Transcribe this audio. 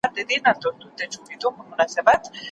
استاد باید خپل علمي کارونه چاپ کړي.